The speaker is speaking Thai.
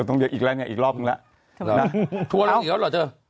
ทัวร์ลงอีกแล้วหรอเจอ